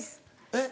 えっ？